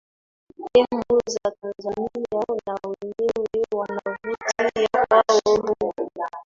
emu za tanzania na wenyewe wanavutia kwao rwan